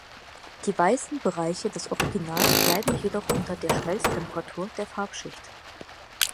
Die weißen Bereiche des Originals bleiben jedoch unter der Schmelztemperatur der Farbschicht.